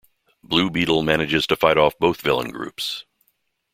Blue Beetle manages to fight off both villain groups.